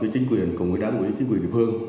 chính quyền cùng với đám ủy chính quyền địa phương